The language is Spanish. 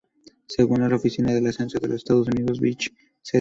Según la Oficina del Censo de los Estados Unidos, Village St.